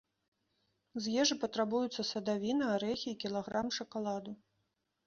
З ежы патрабуюцца садавіна, арэхі і кілаграм шакаладу.